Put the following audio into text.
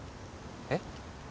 えっ？